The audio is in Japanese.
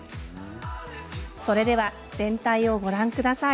それでは、全体をご覧ください。